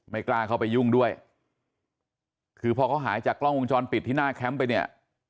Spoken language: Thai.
กล้าเข้าไปยุ่งด้วยคือพอเขาหายจากกล้องวงจรปิดที่หน้าแคมป์ไปเนี่ย